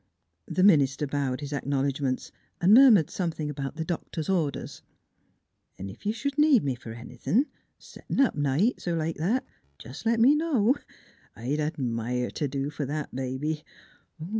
The minister bowed his acknowledgments and murmured something about the doctor's orders. " 'N' ef you sh'd need me fer anythin', settin' up nights, er like that, jes' let me know. I'd ad mire t' do fer that baby.